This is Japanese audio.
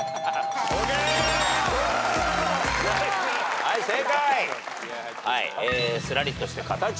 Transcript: はい正解。